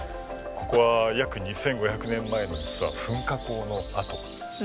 ここは約２５００年前の実は噴火口の跡なんですね。